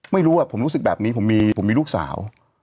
ไม่รู้ผมรู้สึกแบบนี้ผมมีลูกสาว